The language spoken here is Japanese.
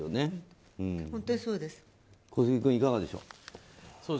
小杉君、いかがでしょう。